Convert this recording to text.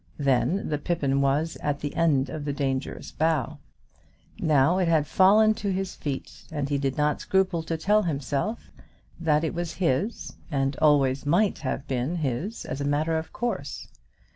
Then the pippin was at the end of the dangerous bough. Now it had fallen to his feet, and he did not scruple to tell himself that it was his, and always might have been his as a matter of course.